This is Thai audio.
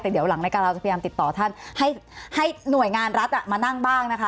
แต่เดี๋ยวหลังรายการเราจะพยายามติดต่อท่านให้หน่วยงานรัฐมานั่งบ้างนะคะ